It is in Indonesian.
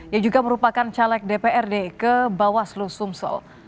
yang juga merupakan caleg dprd ke bawaslu sumsel